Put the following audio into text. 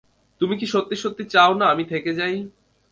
তুমি কি সত্যি সত্যি চাও না আমি থেকে যাই?